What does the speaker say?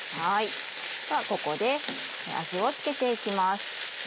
ここで味を付けていきます。